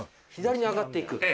左に上がっていく？